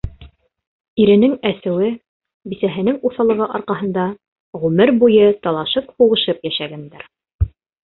Иренең әсеүе, бисәһенең уҫаллығы арҡаһында ғүмер буйы талашып-һуғышып йәшәгәндәр.